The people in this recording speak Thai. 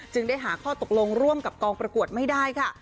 ได้หาข้อตกลงร่วมกับกองประกวดไม่ได้ค่ะ